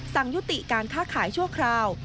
สั่งยุติการค้าขายชั่วคราว